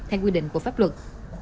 theo quy định của pháp luật